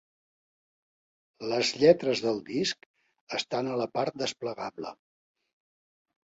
Les lletres del disc estan a la part desplegable.